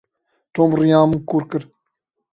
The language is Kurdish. Tom riya min kur kir.